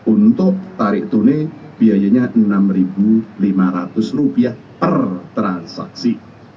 untuk tarik tunai biayanya rp enam lima ratus per transaksi